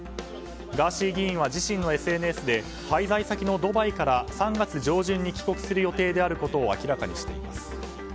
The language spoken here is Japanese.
ガーシー議員は、自身のＳＮＳで滞在先のドバイから３月上旬に帰国する予定であることを明らかにしています。